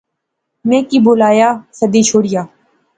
میں کی بولایا، سدی شوڑیا